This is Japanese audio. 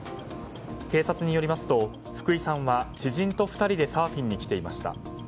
警察によりますと、福井さんは知人と２人でサーフィンに来ていました。